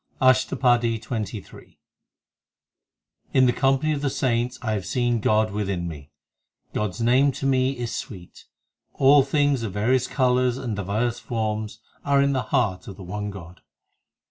ASHTAPADI XXIII i In the company of the saints I have seen God within me ; God s name to me is sweet All things of various colours and divers forms Are in the heart of the one God.